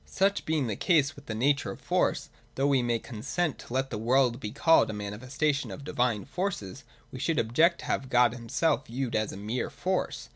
Such being the case with the nature of force, though we may consent to let the world be called a manifestation of divine forces, we should object to have God himself viewed as a mere force.